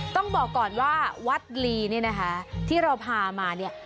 ต้องบอกก่อนว่าวัดลีเนี่ยนะคะที่เราพามาเนี่ย